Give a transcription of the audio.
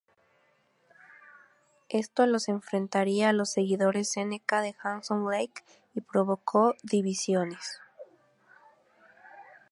Esto los enfrentaría a los seguidores seneca de Handsome Lake y provocó divisiones.